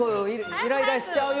イライラしちゃうよ。